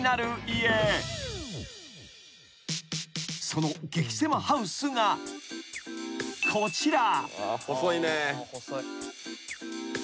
［その激せまハウスがこちら］